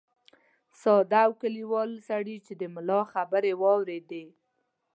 ساده او کلیوال سړي چې د ملا خبرې واورېدې.